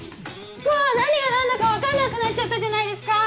うわ何が何だか分からなくなっちゃったじゃないですか！